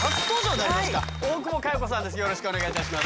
さあまずはよろしくお願いいたします。